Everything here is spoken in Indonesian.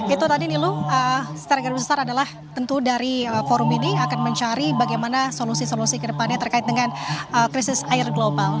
itu tadi nilu strategi besar adalah tentu dari forum ini akan mencari bagaimana solusi solusi kedepannya terkait dengan krisis air global